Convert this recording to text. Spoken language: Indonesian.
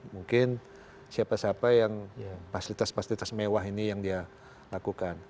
mungkin siapa siapa yang fasilitas fasilitas mewah ini yang dia lakukan